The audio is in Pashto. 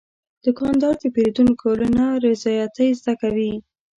دوکاندار د پیرودونکو له نارضایتۍ زده کوي.